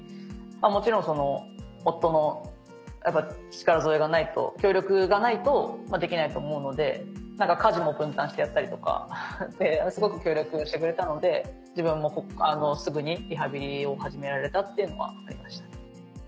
もちろん夫の力添えがないと協力がないとできないと思うので家事も分担してやったりとかですごく協力してくれたので自分もすぐにリハビリを始められたっていうのはありましたね。